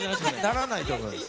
ならないと思います。